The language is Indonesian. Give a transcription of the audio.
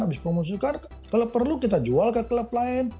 habis promosikan kalau perlu kita jual ke klub lain